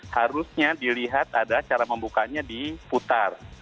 harusnya dilihat adalah cara membukanya diputar